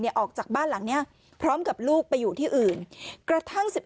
ออกจากบ้านหลังเนี้ยพร้อมกับลูกไปอยู่ที่อื่นกระทั่ง๑๑